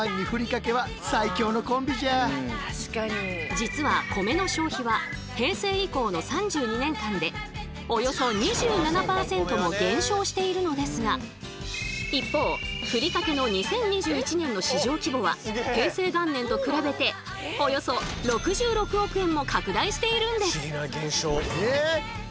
実は米の消費は平成以降の３２年間でおよそ２７％も減少しているのですが一方ふりかけの２０２１年の市場規模は平成元年と比べておよそ６６億円も拡大しているんです。